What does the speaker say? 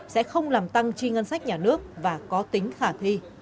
sẽ không làm tăng chi ngân sách nhà nước và có tính khả thi